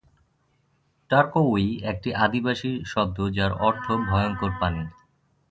টারকোউই একটি আদিবাসী শব্দ যার অর্থ "ভয়ঙ্কর পানি"।